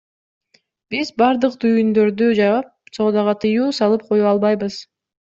Биз бардык түйүндөрдү жаап, соодага тыюу салып кое албайбыз.